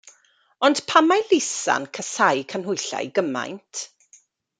Ond pam mae Lisa'n casáu canhwyllau gymaint?